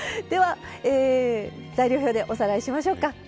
では材料表でおさらいしましょうか。